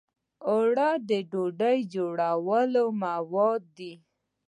اوړه د ډوډۍ جوړولو مواد دي